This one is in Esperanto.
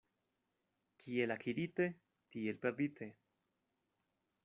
Kiel akirite, tiel perdite.